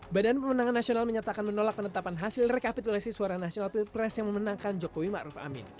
badan pemenangan nasional menyatakan menolak penetapan hasil rekapitulasi suara nasional pilpres yang memenangkan jokowi ⁇ maruf ⁇ amin